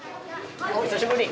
おっ久しぶり！